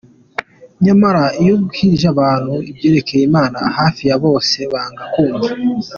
Nyamara iyo ubwirije abantu ibyerekeye imana hafi ya bose banga kumva.